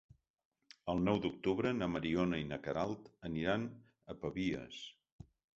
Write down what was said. El nou d'octubre na Mariona i na Queralt aniran a Pavies.